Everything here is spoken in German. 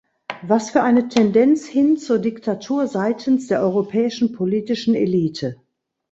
Was für eine Tendenz hin zur Diktatur seitens der europäischen politischen Elite.